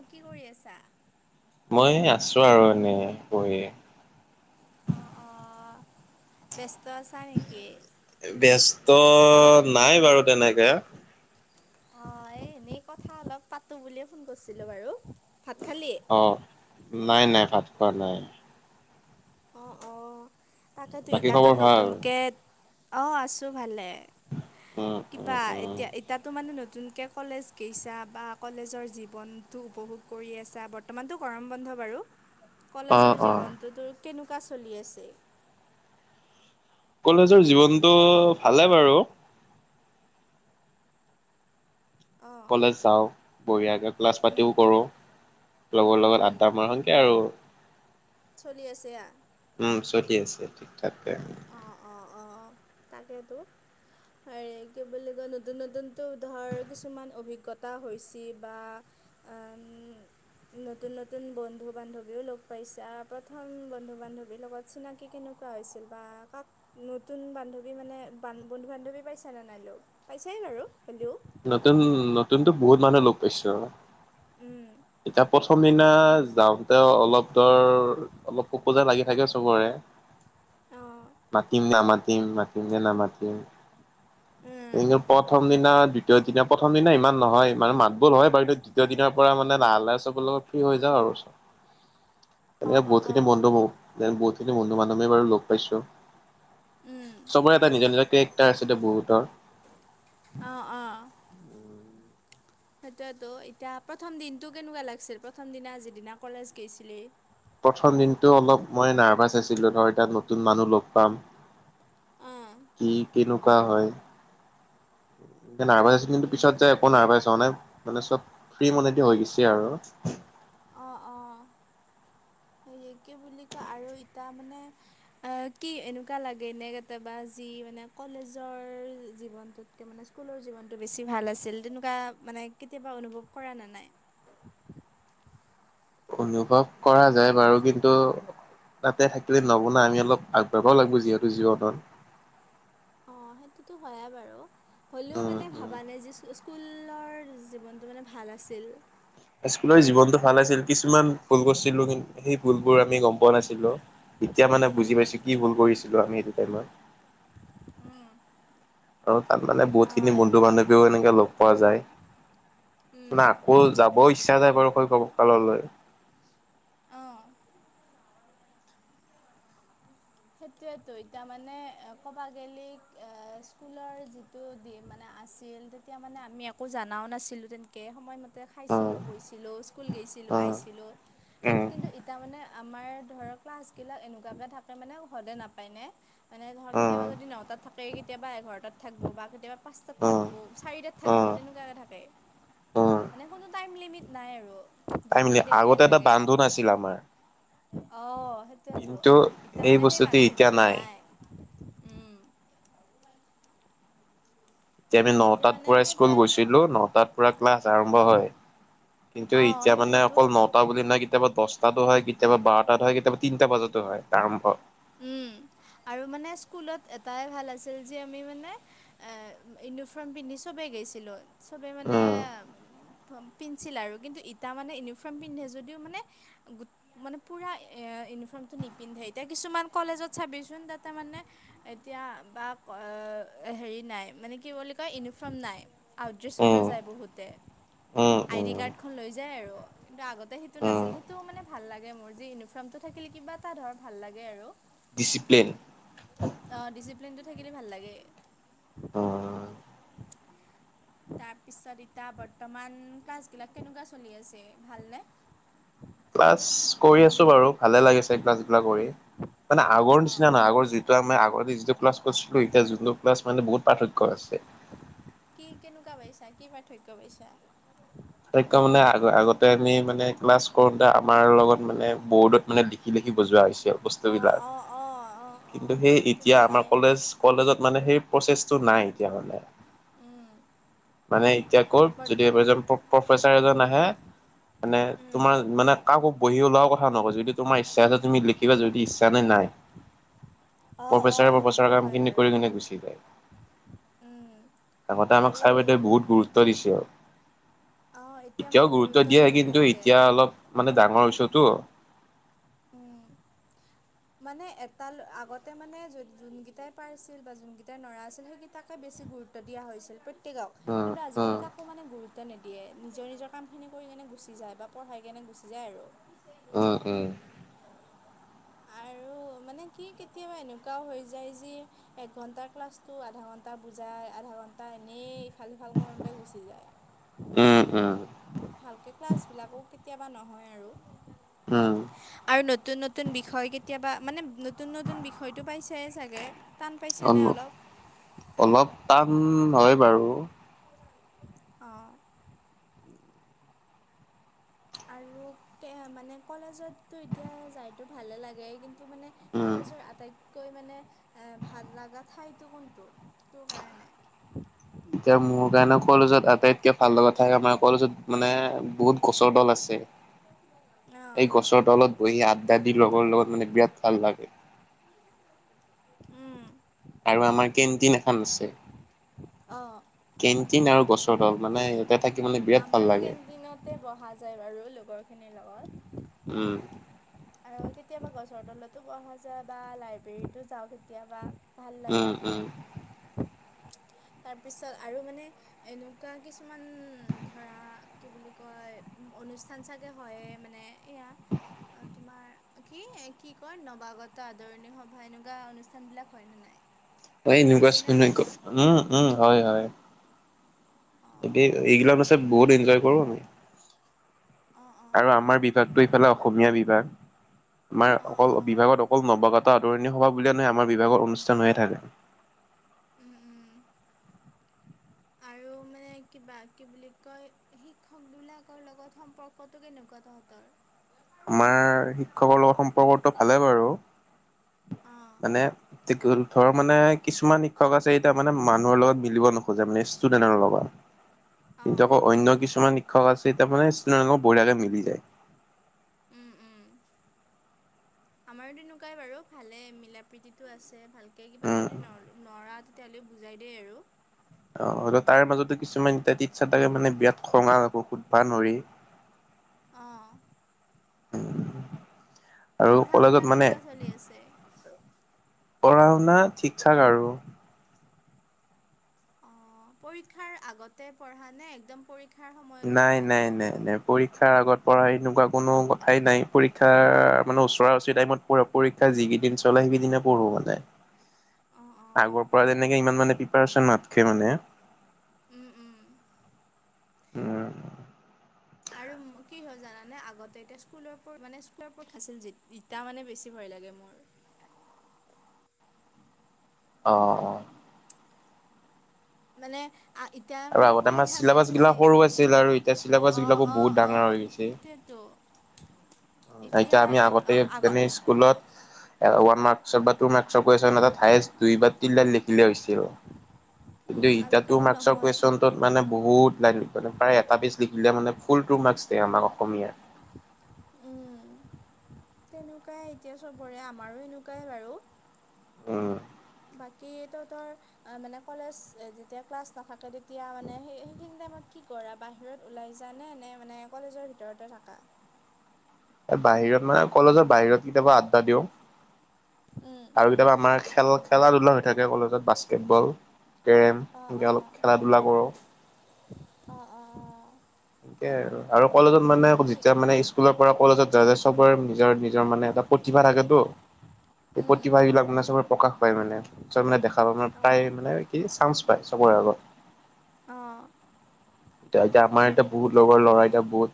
অ কি কৰি আছা? মই আছো আৰু, এনেই বহি। অহ। অহ। ব্যস্ত আছা নেকি? ব্যস্ত, নাই বাৰু তেনেকে। অ। এ এনেই কথা অলপ পাতো বুলিয়ে ফোন কৰছিলো বাৰু। ভাত খালি? অহ। নাই। নাই। ভাত খোৱা নাই। অহ। অহ। তাকেতো বাকী ইতাটো খবৰ ভাল নতুনকে অ' আছো ভালে। উম উম কিবা উম। এতিয়া ইতাটো মানে নতুনকে কলেজ গেইছা বা কলেজৰ জীৱনটো উপভোগ কৰি আছা। বৰ্তমানতো গৰম বন্ধ বাৰু। [inaudible] কলেজৰ অ জীৱনটো তোৰ কেনেকুৱা চলি আছে? কলেজৰ জীৱনটো ভালে বাৰু। অ কলেজ যাওঁ। বঢ়িয়াকে ক্লাছ উম পাতিও কৰোঁ। লগৰ লগত উম আড্ডা মাৰো। সেংকে আৰু। চলি আছে আ। উম। চলি আছে। ঠিক-ঠাককে। অঁ অঁ অঁ তাকেতো। হেৰি কি বুলি কয়, নতুন- নতুনটো ধৰ, কিছুমান অভিজ্ঞতা হৈছি বা এম [unintelligible] নতুন -নতুন বন্ধু বান্ধৱীও লগ পাইছা। প্ৰথম বন্ধু বান্ধৱীৰ লগত চিনাকি কেনেকুৱা হৈছিল? বা কাক নতুন বান্ধৱী মানে, বন্ধু -বান্ধৱী পাইছেনে নাই লগ? পাইছায়ে বাৰু। হ'লিও নতুন -নতুনতো বহুত মানুহ লগ পাইছো। উম ইতা প্ৰথ -ম দিনা যাওঁতে অলপ ধৰ অলপ খোঁকোজা লাগি থাকে চবৰে। অঁ মাতিম নামাতিম। মাতিম নে নামাতিম উম কিন্তু প্ৰথমদিনা। দ্বিতীয় দিনা, প্ৰথম দিনা ইমান নহয়। মানে মাত বোল হয় বাৰু। দ্বিতীয় দিনৰ পৰা মানে লাহে- লাহে চবৰ লগত ফ্ৰী হৈ যাওঁ আৰু। এনে অঁ অঁ বহুতখিনি অঁ বন্ধু বহুত। বহুতখিনি বন্ধু -বান্ধৱীয়ে বাৰু লগ পাইছো। উম চবৰে এটা নিজৰ- নিজৰ কেৰেক্টাৰ আছে দে বহুতৰ। অহ। অহ। হেইটোৱেতো। এতিয়া প্ৰথম দিনটো কেনেকুৱা লাগছিল? প্ৰথমদিনা যিদিনা কলেজ গেইছিলি? প্ৰথমদিনটো অলপ মই নাৰ্ভাচ আছিলো, ধৰ এতা নতুন মানুহ লগ পাম। অ', কি কেনেকুৱা হয়। নাৰ্ভাচ আছ কিন্তু উম, পিছত যাই একো তাকেতো। নাৰ্ভাছ হৱা নাই। মানে চব ফ্ৰী মনেদি হৈ গৈছে আৰু। অহ। অহ। হেইয়ে, কি বুলি কয় আৰু ইতা মানে কি এনেকুৱা লাগেনে কেতিয়াবা, যি মানে কলেজৰ জীৱনটোত এতিয়া মানে স্কুলৰ জীৱনটো বেছি ভাল আছিল, তেনেকুৱা মানে কেতিয়াবা অনুভৱ কৰা না নাই? অনুভৱ কৰা যায় বাৰু। কিন্তু তাতে থাকলে নহব না। আমি অলপ আগবাঢ়বা লাগবো যিহেতু জীৱনত। অহ। সেইটোতো হয়য়ে বাৰু। হ'লেও উম, মানে উম। ভাবা নাই যি স্কুলৰ জীৱনটো মানে ভাল আছিল। স্কুলৰ জীৱনটো ভাল আছিল। কিছুমান ভুল কৰছিলো কি- সেই ভুলবোৰ আমি গম পোৱা নাছিলো। এতিয়া মানে বুজি উম, পাইছো। কি ভুল কৰিছিলো আমি হেইটো টাইমত। উম, আৰু তাত মানে বহুতখিনি অ'। বন্ধু বান্ধৱীও এনেকে লগ পোৱা যায়। উম, নাই আকৌ যাব ইচ্ছা যাই বাৰু শৈশব কাললৈ। অ'। সেইটোৱেতো এতিয়া মানে ক'ব গে'লি স্কুলৰ যি দি মানে আছিল তেতিয়া মানে আমি একো জনাও নাছিলো তেনেকে সময়মতে, ততে উম, খাইছিলোঁ বৈছিলোঁ, স্কুল গৈছিলোঁ উম, আহিছিলোঁ। উম, টো কিন্তু ইতা মানে আমাৰ ধৰ ক্লাছ গিলাক এনেকুৱাকে থাকে মানে হদে নাপায় ন। মানে ধৰক কেতিয়াবা যদি নটাত থাকে কেতিয়াবা এঘাৰটাত থাকিব বা কেতিয়াবা পাঁচটাত থাকিব চাৰিটাত, থাকিব তেনেকুৱাকে থাকে। উ [unintelligible] মানে কোনো টাইম লিমিট নাই আৰু। তাই মি যেতিয়াই তেতিয়াই আগতে এটা থাকে বান্ধোন আছিল আমাৰ। অ', সেইটোয়েতো কিন্তু এই বস্তুত এতিয়া নাই। উম, এতিয়া আমি নটাত মানে পৰা স্কুল সেইটোৱে গৈছিলো নটাত পৰা ক্লাছ আৰম্ভ হয়। কিন্তু অ', এতিয়া মানে অকল সেইটোয়েতো ন তা বুলি নহয় কেতিয়াবা দহটাতো হয় কেতিয়াবা বাৰটাত হয় কেতিয়াবা তিনটা বজাতো হয় আৰম্ভ। আৰু মানে স্কুলত এটাই ভাল আছিল যে আমি মানে ইউনিফৰ্ম পিন্ধি চবেই গেইছিলোঁ। চবেই মানে উম পিঞ্চিল আৰু কিন্তু ইটা মানে ইউনিফৰ্ম পিন্ধে যদিও মানে গো মানে পুৰা এ ইউনিফৰ্মতটো নিপিন্ধে। এতিয়া কিছুমান কলেজত চাবিচোন তাতে মানে এতিয়া বা হেৰি নাই মানে কি বুলি কয় ইউনিফৰ্ম নাই। আউড্ৰেছতে উম যায় বহুতে, উম আই ডি উম কাৰ্ডখন লৈ যায় আৰু। কিন্তু আগতে সেইটো উম নাছিল সেইটো মানে ভাল লাগে মোৰ যি ইউনিফৰ্মটো থাকিল কিবা এটা ধৰ ভাল লাগে। লগে আৰু। ডিচিপ্লিন, অ, ডিচিপ্লেন টো থাকিলে ভাল লাগে। উম তাৰপিছত এতিয়া বৰ্তমান ক্লাছগিলাক কেনেকুৱা চলি আছে, ভালনে? ক্লাছ কৰি আছো বাৰু ভালে লাগিছে ক্লাছবিলাক কৰি মানে আগৰ অঁ নিচিনা নাই, আগৰ যি ত মই আগতে যিটো ক্লাছ কৰিছিলো এতিয়া যোনটো ক্লাল মানে বহুত পাৰ্থক্য আছে। কি কেনেকুৱা পাইছা কি পাৰ্থক্য পাইছা? পাৰ্থক্য মানে আগতে আমি মানে মানে ক্লাছ কৰোঁতে আমাৰ লগত মানে বৰ্ডত মানে লিখি-লিখি বজোৱা হৈছিল অঁ বস্তুবিলাক। অঁ অঁ অঁ অঁ কিন্তু সেই এতিয়া সেইটোতো আমাৰ হয়েই কলেজ কলেজত মানে সেই প্ৰচেছটো নাই এতিয়া মানে। উম, মানে এতিয়া ক যদি এজন প্ৰফেচাৰ এজন আহে মানে উম তোমাৰ মানে কাকো বহি ওলাও কথা নয় যদি তোমাৰ ইচ্ছা আছে তুমি লিখিবা যদি ইচ্ছানাই নাই। অঁ অঁ সেইটো প্ৰফেচাৰে-প্ৰফেচাৰৰ হয় কামখিনি বাৰু কৰি কিনে গুচি যায়। উম, আৰু উম, দিয়ে আৰু অঁ এতিয়া মানে এতিয়াও গুৰুত্ব দিয়ে নিদিয়ে কিন্তু এতিয়া তেনেকৈ অলপ মানে ডাঙৰ হৈছো টো। উম, মানে এটাল আগতে মানে য যোনকেইটাই পাৰছিল বা যোনকেইটাই নৰা আছিল। সেইকেইটাকে বেছি গুৰুত্ব, গুৰুত্ব দিয়া হৈছিল প্ৰত্যেক উম কিন্তু আজিকালি উম কাকো মানে গুৰুত্ব নিদিয়ে নিজৰ-নিজৰ কামখিনি কৰি কেনে গুচি যায় বা পঢ়াই কেনে গুচি যায় আৰু। হয়-হয়। আৰু মানে কি কেতিয়াবা এনেকুৱাও হৈ যায় যে এক ঘণ্টা ক্লাছতটো আধা ঘণ্টা বুজাই, আধা ঘণ্টা এনেই ভাল-ভাল কৰোঁতে গুচি যায়। উম, উম, ভালকৈ ক্লাছবিলাকো কেতিয়াবা নহয় আৰু। উম, আৰু নতুন-নতুন বিষয় কেতিয়াবা মানে নতুন-নতুন বিষয়তটো পাইছেয়ে চাগে। টান পাইছেনে উম অল অলপ? অলপ টান হয় বাৰু। অ', আৰু মানে কলেজততো এতিয়া যায়তো ভালে লাগে কিন্তু মানে উম। কলেজৰ আটাইতকৈ মানে এ ভাল লগা ঠাইতটো কোনটো তোৰ কাৰণে? এতিয়া মোৰ কাৰণে কলেজত আটাইতকে ভাল লগা থাকে আমাৰ কলেজত মানে বহুত গছৰ তল আছে। এই অ' গছৰ তলত বহি আড্ডাদিৰ লগৰ লগত মানে বিৰাট ভাল লাগে। উম, আৰু আমাৰ কেণ্টিন এখন আছে। অ', কেণ্টিন আৰু গছৰ তাল মানে ইয়াতে থাকি মানে বিৰাট ভাল লাগে। তাতে বহা যায় বাৰু লগৰখিনিৰ লগত। উম, আৰু কেতিয়াবা গছৰ তলতো বহা যায় বা লাইব্ৰেৰীতো যাওঁ কেতিয়াবা। ভাল লাগে। উম, উম, তাৰপিছত আৰু মানে এনেকুৱা কিছুমান ধৰা কি বুলি কয় অনুষ্ঠান চাগে হয়েই মানে এয়া, অ, তোমাৰ কি-কি কয়? নৱাগত আদৰণি সভা এনেকুৱা অনুষ্ঠানবিলাক হয়নে নাই? এই এনোকা ইস্কো হৈছেনে নাই কো তহঁতৰ? উম, উম, হয়-হয়। এ অঁ এইগিলা হৈছে বহুত এনজয় কৰো। অঁ আৰু অঁ আমাৰ বিভাগটো ইফালে অসমীয়া বিভাগ, আমাৰ অঁ অকল অঁ বিভাগত অকল নৱগত আদৰণি সভা বুলিয়ে নহয় আমাৰ বিাগৰ অনুষ্ঠান হৈয়ে থাকে। উম উম [inaudible] আৰু মানে কিবা কি বুলি কয় শিক্ষক বিলাকৰ লগত সম্পৰ্কতটো কেনেকুৱা তহঁতৰ? আমাৰ শিক্ষকৰ লগত সম্পৰ্কটো ভালে বাৰু। অঁ মানে ধৰ মানে কিছুমান শিক্ষক আছে এতিয়া মানে মানুহৰ লগত মিলিব নোখোজে মানে ষ্টুডেণ্টৰ লগত। কিন্তু অঁ আকৌ অন্য কিছুমান শিক্ষক আছে এতিয়া মানে আ, বঢ়িয়াকে মিলি যায়। উম উম [inaudible] আমাৰো তেনেকুৱাই বাৰু ভালে মিলা প্ৰীতিতটো আছে ভাল। কে কিবা উম, যদি ন নৰা তেতিয়াহ'লেও বুজাই দেই আৰু। অ, তাৰ মাজতো কিছুমান এয়া তাকে মানে বিৰাট খঙাল আকৌ সুধবা নৰি? অ', উম, পঢ়া শুনা কেনেকুৱা চলি আছে? পঢ়া শুনা ঠিক ঠাক আৰু। অ, পৰীক্ষাৰ আগতে পঢ় নে? একদম পৰ নাই-নাই-নাই-নাই। পৰীক্ষাৰ আগত পঢ়া এনেকুৱা কোনো কথাই নাই, পৰীক্ষা মানে ওচৰা ওচৰি টাইমত পৰীক্ষা যিকেইদিন চলে সেইিকেইদিনে পঢ়ো মানে। অঁ অঁ আগৰ পৰা যেনেকে ইমান মানে প্ৰিপাৰেচন নাতখে মানে উম, উম, উম, আৰু কি হয় জানে আগতে এতিয়া স্কুলৰ মানে স্কুলৰ ৰত আছিল যি? তাৰ মানে বেছি ভয় লাগে মোৰ। অ, অ, অ, মানে এতিয়া আৰু মানে আগতে কৈ আমাৰ থাকে চিলেবাছ গিলা বজি সৰু আছিল আৰু এতিয়া চিলেবাছ অ, বিলাকো অ, বহুত অ, ডাঙৰ হৈ গৈছে। সেইৱেটো। তো এতিয়া আমি আগতে মান স্কুলত ওৱান মাৰ্কচৰ বা টু মাৰ্কচৰ কেশ্যন এাত হায়েষ্ট দুই বা লিখিলে হৈছিল কিন্তু তু আজিকালি মাৰ্ক্সৰ নহয় কন ত মানে বহুত লাইন লিখিবে প্ৰায় এটা পেজ লিখিলে মানে ফুল টু মাৰ্কছ দিয়ে আমাক অসমীয়াত। তেনেকুৱাই এতিয়া চবৰে আমাৰো এনেকুৱাই বাৰু। উম, বাকী তহতৰ মানে কলেজ যেতিয়া ক্লাছ নাথাকে তেতিয়া মানে স সেইখিনি টাইমত কি কৰা? বাহিৰত ওলাই যা নে-নে মানে কলেজৰ ভিতৰতে থকা? বাহিৰত মানে কলেজৰ বাহিৰত কেতিয়াবা আড্ডা দিওঁ। উম, আৰু কেতিয়াবা আমাৰ খেল খেলা ধূলা হৈ থাকে কলেজত বাস্কেটবল, কেৰেম একৈ অলপ খেলা ধূলা কৰোঁ। অ, অ, অ, সেে আৰু কলেজত মানে যেতিয়া মানে স্কুলৰ পৰা কলেজত যাৱা যায়। চবৰে নিজৰ- নিজৰ মানে এটা প্ৰতিভা থাকেতো। এই উম প্ৰতিভা বিলাক মানে চবৰে প্ৰকাশ পায়, মানে চব মানে দেখা পায় মান প্ৰায় অঁ মানে সেই চান্স পায় চবৰে আগত। অ', এ এতিয়া আমাৰ এতিয়া বহুত লগৰ ল'ৰা এটা বহুত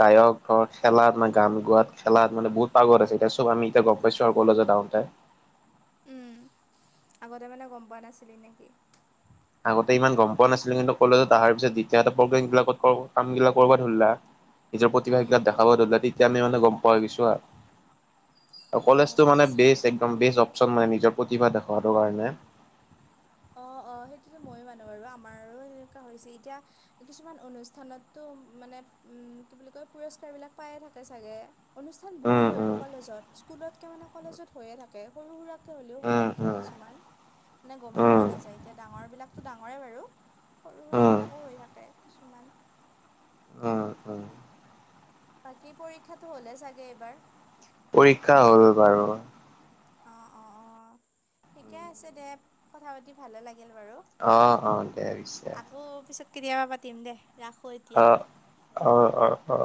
গায়ক ধৰ খেলাত নে গান গোৱাত খেলাত মানে বহুত পাগত আছে এতিয়া চব আমি এটা গম পাইছো আৰু কলেজত আহোতে। আগতে মানে গম পোৱা নাছিলি নেকি? আগতে ইমান গম পোৱা নাছিলে কিন্তু কলেজত আহাৰ পিছত দ্বিতীয় প্ৰগ্ৰেমবিলাক ক কামবিলাক কৰ'বাত ধৰিলা। নিজৰ প্ৰতিভা উম। কিলাক দেখাব ধৰিলে তেতিয়াানে মানে গম পোৱা হৈ গৈছো আৰু। আৰু অঁ কলেজটো মানে আচ্ছা। বেষ্ট একদম বেষ্ট অপচন মানে নিজৰ প্ৰতিভা দেখুৱাটো কাৰণে। অ, অ, সেইটোতো ময়ো মানো বাৰু আমাৰো তেনেকুৱা হৈছে এতিয়া কিছুমান অনুষ্ঠানতো মানে উম, কি বুলি কয়? পুৰস্কাৰ বিলাক পায়ে থাকে চাগে। অনুষ্ঠান বহুত উম হয়তটো উম কলেজত স্কুলতকে মানে কলেজত হৈয়ে থাকে সৰু সুৰা, হ'লেও হৈয়ে উম থাকে উম কিছুমান মানে গমেই পোৱা উম নাযায় এতিয়া ডাঙৰ বিলাকতো ডাঙৰে বাৰু। সৰু উম সুৰাবিলাকো হৈ থাকে কিছুমান। উম, উম, বাকী পৰীক্ষাটো হ'লেই চাগে এইবাৰ। পৰীক্ষা হ'ল বাৰু। অ, অ, অ, ঠিকে আছে দে কথা পাতি ভালে লাগিল বাৰু। অ, অ, দে পিছে। অিছ [unintelligible] কেতিয়াবা পাতিম দে ৰাখো এতিয়া। অ, অ, অ, অ,